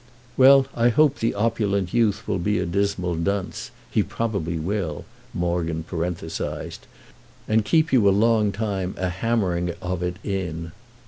"Well, I hope the opulent youth will be a dismal dunce—he probably will—" Morgan parenthesised—"and keep you a long time a hammering of it in."